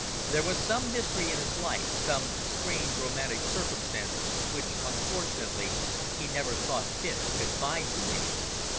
There was some mystery in his life, some strange romantic circumstance which, unfortunately, he never thought fit to confide to me.